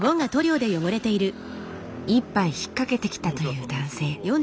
一杯引っかけてきたという男性。